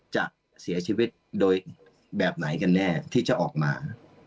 จะเสียชีวิตโดยแบบไหนกันแน่ที่จะออกมา